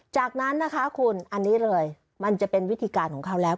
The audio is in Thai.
จากนั้นนะคะคุณอันนี้เลยมันจะเป็นวิธีการของเขาแล้ว